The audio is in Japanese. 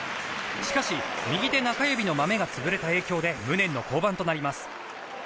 しかし、右手中指のまめが潰れた影響で無念の降板となります。